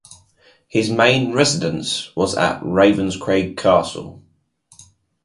His main residence was at Ravenscraig Castle.